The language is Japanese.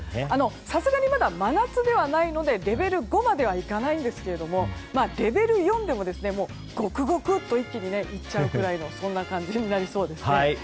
さすがに、まだ真夏ではないのでレベル５まではいかないんですけどもレベル４でも、ごくごくっと一気にいっちゃうくらいのそんな感じになりそうです。